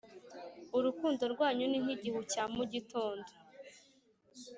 Urukundo rwanyu ni nk’igihu cya mu gitondo,